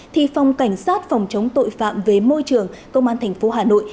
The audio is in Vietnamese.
thì phòng cảnh sát phòng chống tội phạm về môi trường công an tp hà nội